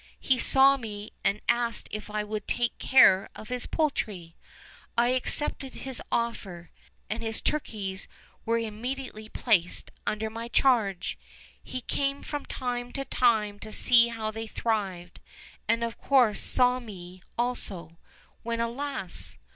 He saw me, and asked if I would take care of his poultry: I accepted his offer, and his turkeys were im mediately placed under my charge. He came from time to time to see how they thrived, and of course saw me also; when, alas!